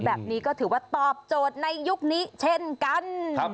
แบบนี้ก็ถือว่าตอบโจทย์ในยุคนี้เช่นกัน